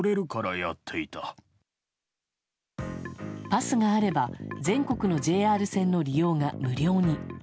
パスがあれば全国のＪＲ線の利用が無料に。